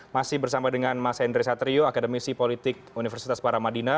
masih bersama dengan mas henry satrio akademisi politik universitas paramadina